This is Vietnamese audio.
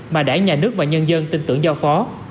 mà đảng nhà nước và nhân dân tin tưởng giao phó